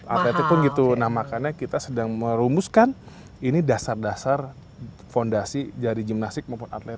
atletnya pun gitu nah makanya kita sedang merumuskan ini dasar dasar fondasi dari gimnasik maupun atlet